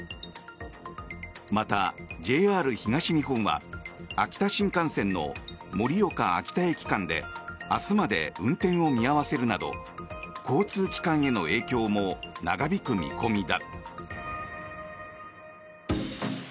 また、ＪＲ東日本は秋田新幹線の盛岡秋田駅間で明日まで運転を見合わせるなど交通機関への影響も長引く見込みだ。